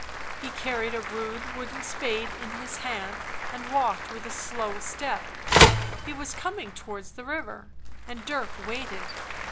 He carried a rude wooden spade in his hand, and walked with a slow step ; he was coming towards the river, and Dirk waited.